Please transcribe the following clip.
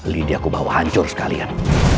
lidi aku bawa hancur sekalian